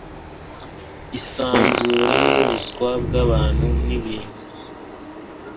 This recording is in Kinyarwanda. isanzure nubuswa bwa bantu nibintu